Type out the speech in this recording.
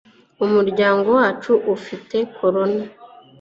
umuryango wacu ufite korona